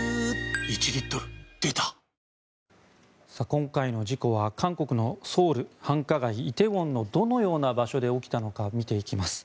今回の事故は韓国のソウルの繁華街、梨泰院のどのような場所で起きたのか見ていきます。